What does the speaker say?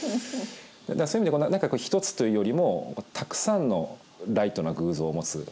そういう意味で何か一つというよりもたくさんのライトな偶像を持つ。